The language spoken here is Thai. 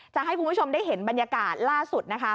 จะให้คุณผู้ชมได้เห็นบรรยากาศล่าสุดนะคะ